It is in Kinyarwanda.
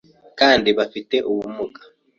kandi bafite ubumuga